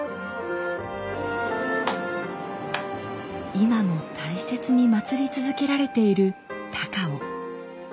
今も大切に祀り続けられている高尾。